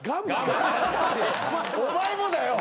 お前もだよ。